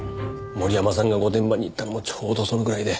森山さんが御殿場に行ったのもちょうどそのぐらいで。